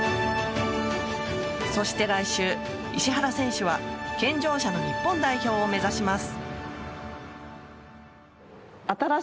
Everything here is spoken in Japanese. そして来週、石原選手は健常者の日本代表を目指します。